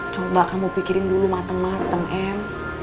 coba kamu pikirin dulu matem matem em